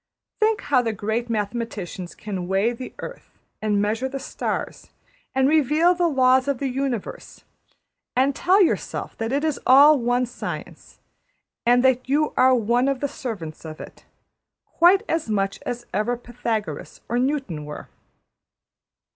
Think how the great mathematicians can weigh the earth and measure the stars, and reveal the laws of the universe; and tell yourself that it is all one science, and that you are one of the servants of it, quite as much as ever Pythagoras or Newton were.